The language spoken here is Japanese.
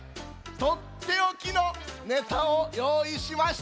とっておきのネタをよういしましたぞ！